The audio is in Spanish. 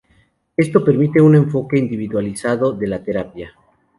Esto permite un enfoque individualizado de la terapia.